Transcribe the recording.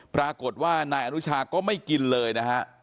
ปรากฏว่านายอนุชาก็ไม่กินเลยนะฮะ